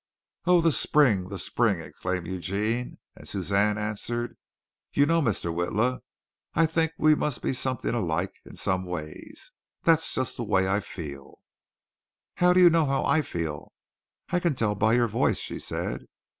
"Oh, the spring! The spring!" exclaimed Eugene, and Suzanne answered: "You know, Mr. Witla, I think we must be something alike in some ways. That's just the way I feel." "How do you know how I feel?" "I can tell by your voice," she said.